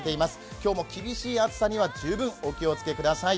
今日も厳しい暑さには十分お気をつけください。